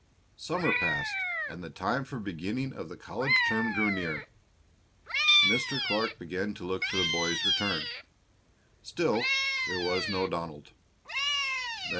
Summer passed and the time for the beginning of the college term drew near. Mr. Clark began to look for the boy's return. Still there was no Donald!